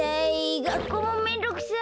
がっこうもめんどくさい！